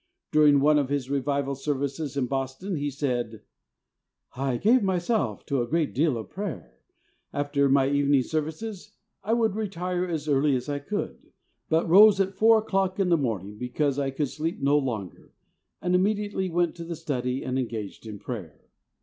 During one of his revival services in Boston he said, "I gave myself to a great deal of prayer. After my evening services I would retire as early as I could, but rose at 4 o'clock in the morning because I could sleep no longer, and immediately went to the study and engaged in prayer.